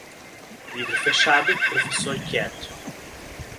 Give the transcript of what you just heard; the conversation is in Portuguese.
Livro fechado, professor quieto.